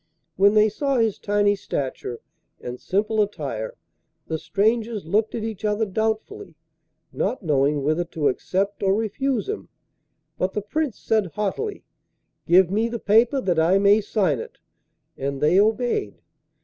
When they saw his tiny stature anti simple attire the strangers looked at each other doubtfully, not knowing whether to accept or refuse him. But the Prince said haughtily: 'Give me the paper that I may sign it,' and they obeyed.